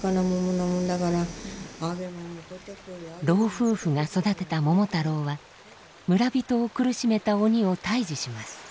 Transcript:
老夫婦が育てた桃太郎は村人を苦しめた鬼を退治します。